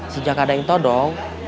sejak ada yang tau dong